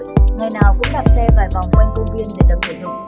ngày nào cũng đạp xe vài vòng quanh công viên để tập thể dục